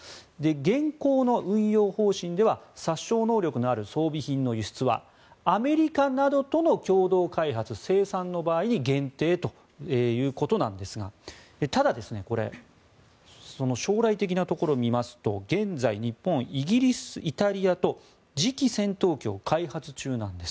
現行の運用方針では殺傷能力のある装備品の輸出はアメリカなどとの共同開発・生産の場合に限定ということなんですがただ、将来的なところを見ますと現在、日本イギリス、イタリアと次期戦闘機を開発中なんです。